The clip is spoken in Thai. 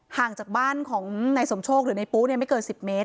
ห่างจากบ้านของนายสมโชคหรือในปุ๊ไม่เกิน๑๐เมตร